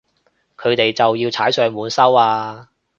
佢哋就要踩上門收啊